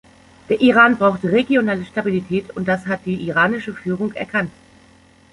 Der Iran braucht regionale Stabilität, und das hat die iranische Führung erkannt.